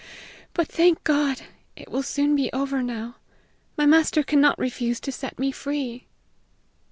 But, thank God! it will soon be over now; my master cannot refuse to set me free."